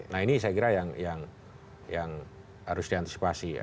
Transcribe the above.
nah ini saya kira yang harus diantisipasi ya